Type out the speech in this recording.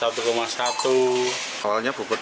sapi jumbo milik amin ini tidak hanya menjadi buruan warga